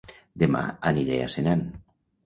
Dema aniré a Senan